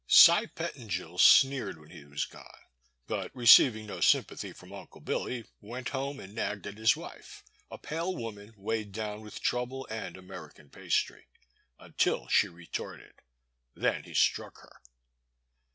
Cy Pettingil sneered when he was gone, but, receiving no sympathy from Unde Billy, went home and nagged at his wife, a pale woman weighed down with trouble and American pastry — until she retorted. Then he struck her.